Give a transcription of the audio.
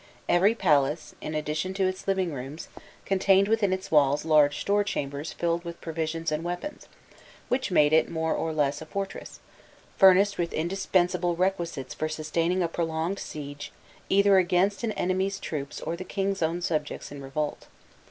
Every palace, in addition to its living rooms, contained within its walls large store chambers filled with provisions and weapons, which made it more or less a fortress, furnished with indispensable requisites for sustaining a prolonged siege either against an enemy's troops or the king's own subjects in revolt.